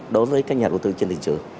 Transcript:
đối với các nhà đầu tư trên thị trường